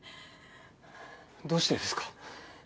どうしてですか？